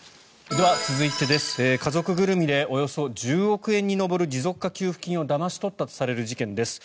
では、続いて家族ぐるみでおよそ１０億円に上る持続化給付金をだまし取ったとされる事件です。